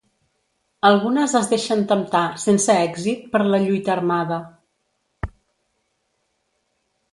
Algunes es deixen temptar, sense èxit, per la lluita armada.